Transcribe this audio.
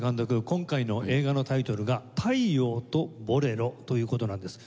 今回の映画のタイトルが『太陽とボレロ』という事なんです。